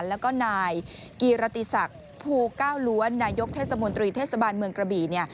แล้วก็นายกีรติศักดิ์ภูเก้าล้วนนายกเทศมนตรีเทศบาลเมืองกระบี่เนี่ย